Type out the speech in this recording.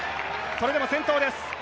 それでも先頭です。